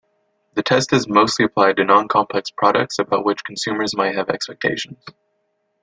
The test is mostly applied to non-complex products about which consumers might have expectations.